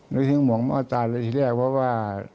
หรือยังห่วงมาตราเลยที่แรกเพราะว่า